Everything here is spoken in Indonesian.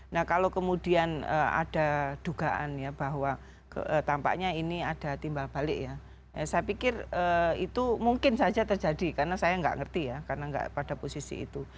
nah kalau kemudian ada dugaan ya bahwa tampaknya ini ada timbal balik ya saya pikir itu mungkin saja terjadi karena saya nggak ngerti ya karena nggak pada posisi itu